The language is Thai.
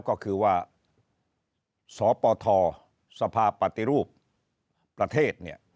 ก็คือว่าสปทสภาพปฏิรูปประเทศ